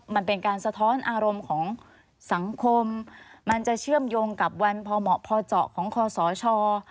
มันเป็นการสะท้อนอารมณ์ของสังคมมันจะเชื่อมโยงกับวันพอเหมาะพอเจาะของคอสช